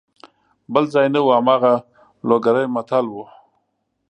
بل ځای نه وو هماغه لوګری متل وو.